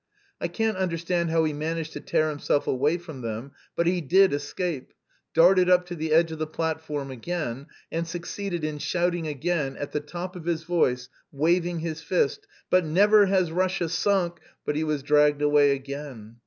I can't understand how he managed to tear himself away from them, but he did escape, darted up to the edge of the platform again and succeeded in shouting again, at the top of his voice, waving his fist: "But never has Russia sunk..." But he was dragged away again.